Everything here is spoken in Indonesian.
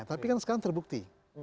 tapi kan sekarang terbukti